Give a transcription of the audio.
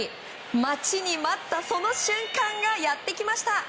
待ちに待ったその瞬間がやってきました。